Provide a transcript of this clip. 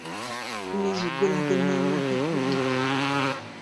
Ma a zo gwelloc'h ganin ar republik!